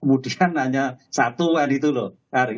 kemudian hanya satu kan itu loh